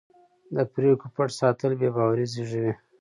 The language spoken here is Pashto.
د پرېکړو پټ ساتل بې باوري زېږوي